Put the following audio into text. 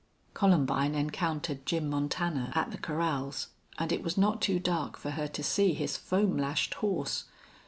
Columbine encountered Jim Montana at the corrals, and it was not too dark for her to see his foam lashed horse.